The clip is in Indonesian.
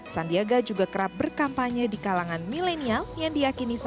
sandiaga juga kerap berkampanye di kalangan milenial yang diakini sandi